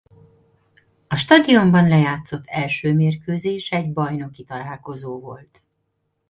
A stadionban lejátszott első mérkőzés egy bajnoki találkozó volt.